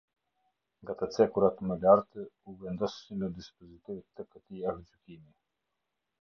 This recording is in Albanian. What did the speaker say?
Nga të cekurat më lartë u vendos si në dispozitiv te këtij aktgjykimi.